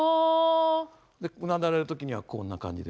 でうなだれる時にはこんな感じで。